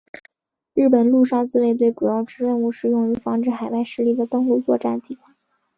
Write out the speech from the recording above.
日本陆上自卫队主要之任务是用于防止海外势力的登陆作战计划。